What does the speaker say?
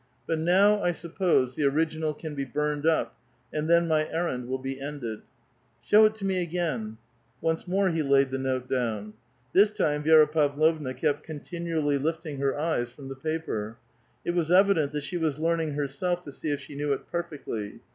But now, I suppose, the original can be burned up, and then my errand will be ended." Show it to me again !" Once more he laid the note down. This time Vi^ra Pav lovna kept continually lifting her eyes from the paper : it was evident that she was learning herself to see if she knew it perfectly.